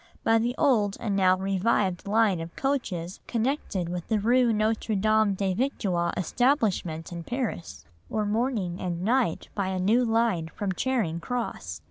by the old and now revived line of coaches connected with the rue Notre Dame des Victoires establishment in Paris, or morning and night by a new line from Charing Cross.